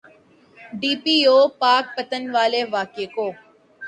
D P او پاکپتن والے واقعے کو۔